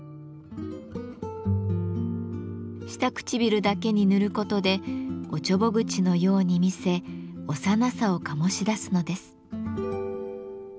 下唇だけに塗ることでおちょぼ口のように見せ幼さを醸し出すのです。